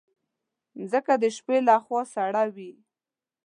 مځکه د شپې له خوا سړه وي.